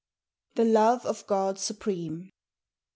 THE LOVE OF GOD SUPREME.